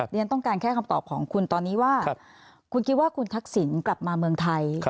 เรียนต้องการแค่คำตอบของคุณตอนนี้ว่าคุณคิดว่าคุณทักษิณกลับมาเมืองไทย